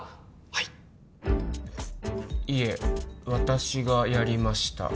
はい「いえ私がやりました」